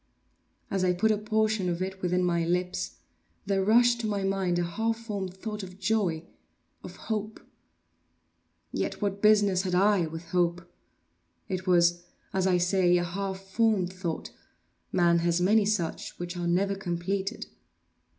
As I put a portion of it within my lips, there rushed to my mind a half formed thought of joy—of hope. Yet what business had I with hope? It was, as I say, a half formed thought—man has many such, which are never completed.